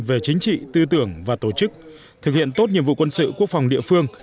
về chính trị tư tưởng và tổ chức thực hiện tốt nhiệm vụ quân sự quốc phòng địa phương